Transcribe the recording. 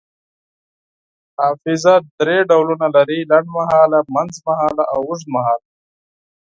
حافظه دری ډولونه لري: لنډمهاله، منځمهاله او اوږدمهاله